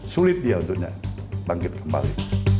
sulit dia untuknya bangkit kembali